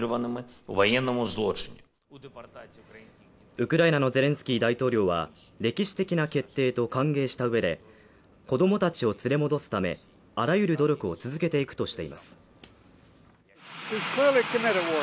ウクライナのゼレンスキー大統領は歴史的な決定と歓迎した上で、子供たちを連れ戻すため、あらゆる努力を続けていくとしています。